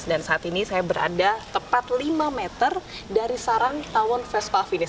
dan saat ini saya berada tepat lima meter dari sarang tawon vespa afinis